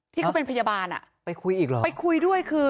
ที่เขาเป็นพยาบาลไปคุยด้วยคือ